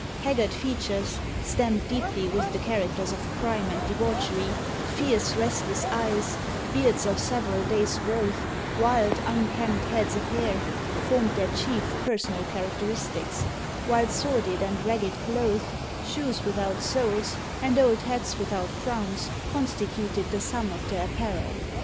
Haggard features, stamped deeply with the characters of crime and debauchery; fierce, restless eyes; beards of several days' growth; wild, unkempt heads of hair, formed their chief personal characteristics; while sordid and ragged clothes, shoes without soles, and old hats without crowns, constituted the sum of their apparel.